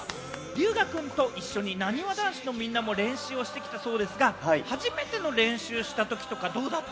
龍芽くんと一緒になにわ男子のみんなも練習をしてきたそうですが、初めての練習したときはどうだった？